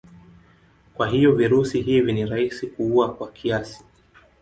Kwa hivyo virusi hivi ni rahisi kuua kwa kiasi.